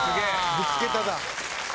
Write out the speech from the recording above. ぶつけた！